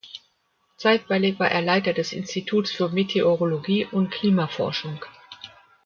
Zeitweilig war er Leiter des Instituts für Meteorologie und Klimaforschung.